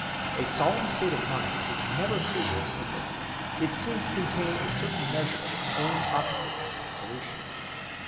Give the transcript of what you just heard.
A solemn state of mind is never crude or simple—it seems to contain a certain measure of its own opposite in solution.